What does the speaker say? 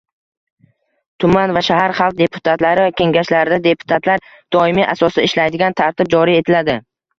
Tuman va shahar xalq deputatlari Kengashlarida deputatlar doimiy asosda ishlaydigan tartib joriy etiladi.